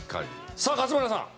さあ勝村さん。